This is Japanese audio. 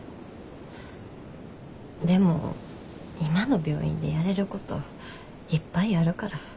でも今の病院でやれることいっぱいあるから。